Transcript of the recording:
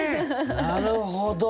なるほど。